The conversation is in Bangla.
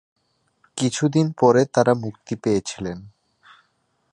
কিছুদিন পরে তারা মুক্তি পেয়েছিলেন।